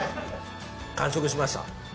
完食しました。